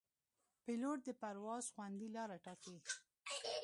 پیلوټ د پرواز خوندي لاره ټاکي.